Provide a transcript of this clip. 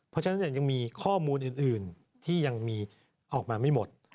เพราะฉะนั้นยังมีข้อมูลอื่นที่ยังมีออกมาไม่หมด